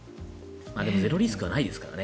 でもゼロリスクはないですからね。